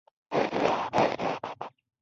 ما وویل: هغه هلته څه کوي؟